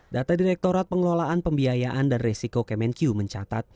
data direkturat pengelolaan pembiayaan dan resiko kemenku mencatat